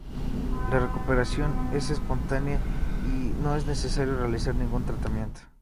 La recuperación es espontánea y no es necesario realizar ningún tratamiento.